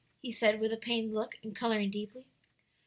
he said, with a pained look, and coloring deeply.